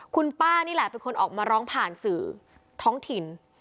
คุณป้านี่แหละเป็นคนออกมาร้องผ่านสื่อท้องถิ่น